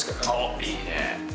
いいね。